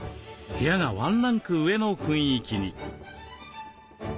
部屋がワンランク上の雰囲気に。